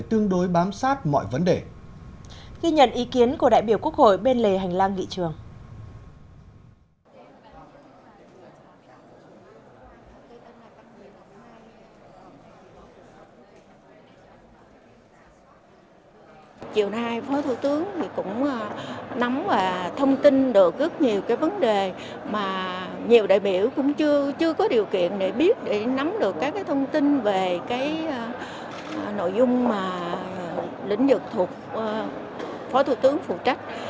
thông tin được rất nhiều cái vấn đề mà nhiều đại biểu cũng chưa có điều kiện để biết để nắm được các cái thông tin về cái nội dung mà lĩnh vực thuộc phó thủ tướng phụ trách